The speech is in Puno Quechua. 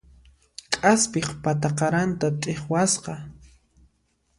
K'aspiq pata qaranta t'iqwasqa.